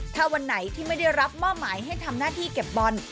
ถ้าวันไหนที่ไม่ได้รับมอบหมายให้ทำหน้าที่เก็บบอล